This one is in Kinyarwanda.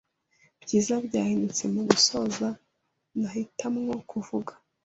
Byiza byahindutse Mugusoza nahitamo kuvuga